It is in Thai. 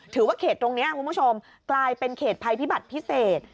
ถือว่าเขตตรงนี้คุณผู้ชมกลายเป็นเขตภัยพิบัติพิเศษ